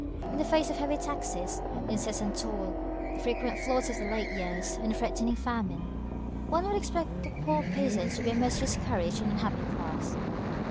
In the face of heavy taxes, the incessant toil, the frequent floods of late years, and the threatening famine, one would expect the poor peasants to be a most discouraged and unhappy class.